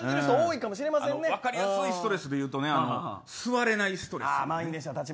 分かりやすいストレスで言うと座れないストレス。